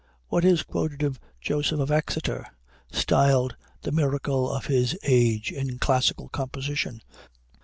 What is quoted of Joseph of Exeter, styled the miracle of his age in classical composition?